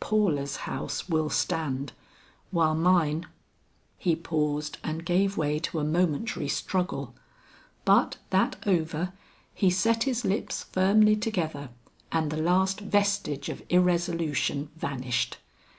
Paula's house will stand, while mine " He paused and gave way to a momentary struggle, but that over, he set his lips firmly together and the last vestige of irresolution vanished.